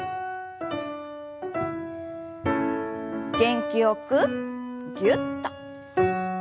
元気よくぎゅっと。